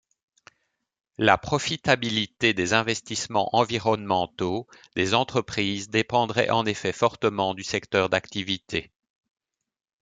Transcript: La profitabilité des investissements environnementaux des entreprises dépendrait en effet fortement du secteur d'activité.